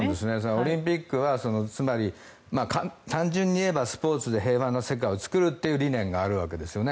オリンピックは単純に言えばスポーツで平和な世界を作るっていう理念があるわけですよね。